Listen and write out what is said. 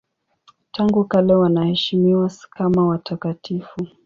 Tangu kale wanaheshimiwa kama watakatifu.